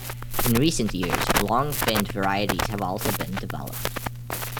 In recent years long-finned varieties have also been developed.